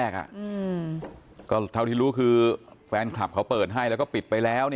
ก็เท่าที่ได้รู้คือแฟนคลับตัวเปินให้แต่ปิดไปแล้ว